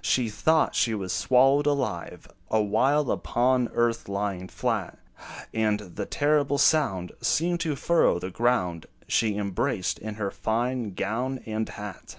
She thought she was swallowed alive, Awhile upon earth lying flat; And the terrible sound Seemed to furrow the ground, She embraced in her fine gown and hat.